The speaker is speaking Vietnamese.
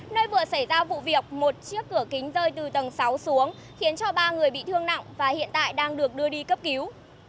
nơi vừa xảy ra vụ việc một chiếc cửa kính rơi từ tầng sáu xuống khiến cho ba người bị thương nặng và hiện tại đang được đưa đi cấp cứu